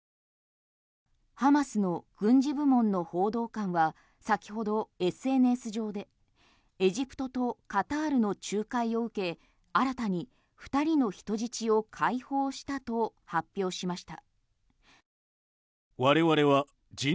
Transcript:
ハマスの軍事部門の報道官は先ほどＳＮＳ上でエジプトとカタールの仲介を受け新たに２人の人質を解放したと発表しました。